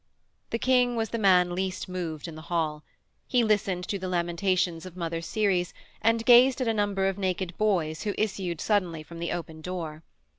The King was the man least moved in the hall: he listened to the lamentations of Mother Ceres and gazed at a number of naked boys who issued suddenly from the open door.